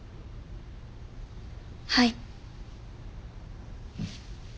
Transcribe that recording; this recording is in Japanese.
はい。